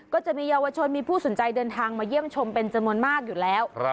จะมีเยาวชนมีผู้สนใจเดินทางมาเยี่ยมชมเป็นจำนวนมากอยู่แล้ว